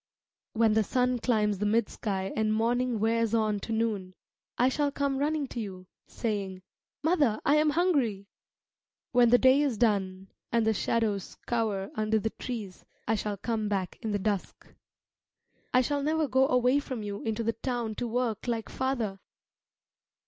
When the sun climbs the mid sky and morning wears on to noon, I shall come running to you, saying, "Mother, I am hungry!" When the day is done and the shadows cower under the trees, I shall come back in the dusk. I shall never go away from you into the town to work like father.